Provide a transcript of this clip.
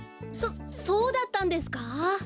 そそうだったんですか！？